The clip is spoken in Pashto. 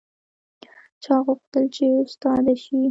چا غوښتل چې استاده شي